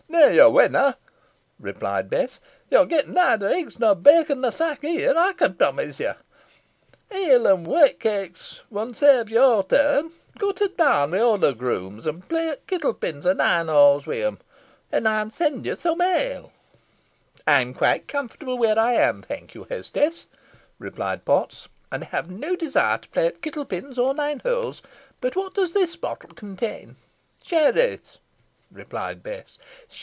"Neaw, yo winna," replied Bess. "Yo'n get nother eggs nor bacon nor sack here, ey can promise ye. Ele an whoat kekes mun sarve your turn. Go to t' barn wi' t' other grooms, and play at kittle pins or nine holes wi' hin, an ey'n send ye some ele." "I'm quite comfortable where I am, thank you, hostess," replied Potts, "and have no desire to play at kittle pins or nine holes. But what does this bottle contain?" "Sherris," replied Bess.